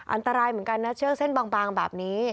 อันตรายเหมือนกันนะเชือกเส้นบางแบบนี้